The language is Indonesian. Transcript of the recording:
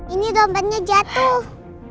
ini dompetnya jatuh